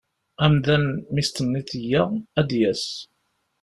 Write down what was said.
Amdan mi ad s-tiniḍ yya ad d-yas.